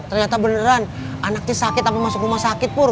ternyata beneran anaknya sakit apa masuk rumah sakit pur